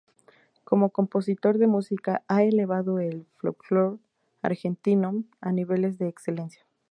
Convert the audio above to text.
Como compositor de música, ha elevado el folklore argentino a niveles de excelencia.